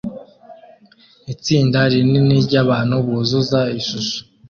Itsinda rinini ryabantu buzuza ishusho